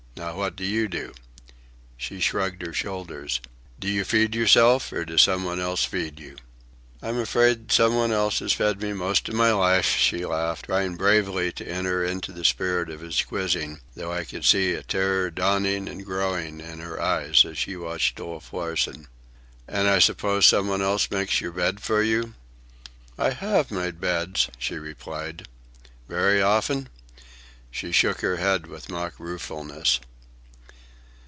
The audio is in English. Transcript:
Now what do you do?" She shrugged her shoulders. "Do you feed yourself? Or does some one else feed you?" "I'm afraid some one else has fed me most of my life," she laughed, trying bravely to enter into the spirit of his quizzing, though I could see a terror dawning and growing in her eyes as she watched Wolf Larsen. "And I suppose some one else makes your bed for you?" "I have made beds," she replied. "Very often?" She shook her head with mock ruefulness.